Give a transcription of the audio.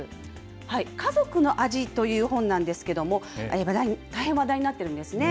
家族の味という本なんですけども、大変話題になってるんですね。